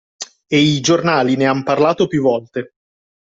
E i giornali ne han parlato più volte